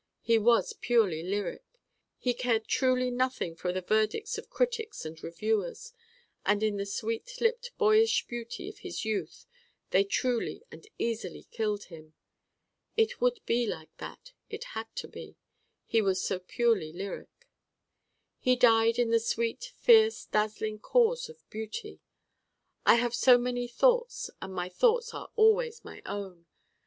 He was purely lyric. He cared truly nothing for the verdicts of critics and reviewers: and in the sweet lipped boyish beauty of his youth they truly and easily killed him. It would be like that it had to be. He was so purely lyric. He died in the sweet fierce dazzling cause of Beauty. I have so many thoughts and my thoughts are always my own.